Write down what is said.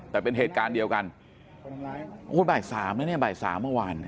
แต่เป็นเหตุการณ์เดียวกันโอ้ยบ่ายสามนะเนี่ยบ่ายสามเมื่อวาน